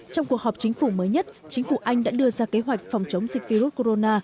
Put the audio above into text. trong cuộc họp chính phủ mới nhất chính phủ anh đã đưa ra kế hoạch phòng chống dịch virus corona